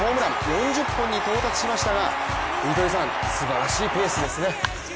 ４０本に到達しましたが糸井さん、すばらしいペースですね。